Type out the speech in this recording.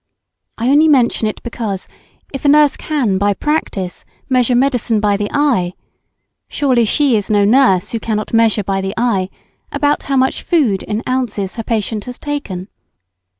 I only mention it, because if a nurse can by practice measure medicine by the eye, surely she is no nurse who cannot measure by the eye about how much food (in oz.) her patient has taken.